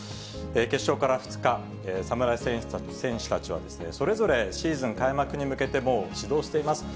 決勝から２日、侍戦士たちはそれぞれシーズン開幕に向けて、もう始動しています。